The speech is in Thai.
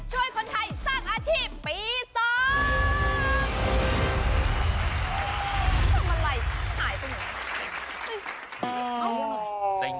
ช่องมันไหลหายไปเหมือนกัน